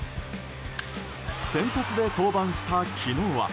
先発で登板した昨日は。